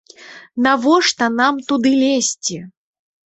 Навошта нам туды лезці?